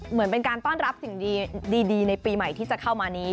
เหมือนเป็นการต้อนรับสิ่งดีในปีใหม่ที่จะเข้ามานี้